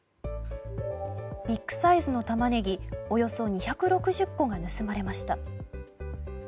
ビッグサイズのタマネギおよそ２６０個が盗まれました。